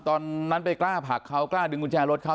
ตอนนั้นไปกล้าผลักเขากล้าดึงกุญแจรถเขา